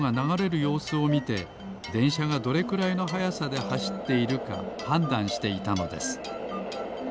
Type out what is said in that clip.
ようすをみてでんしゃがどれくらいのはやさではしっているかはんだんしていたのです。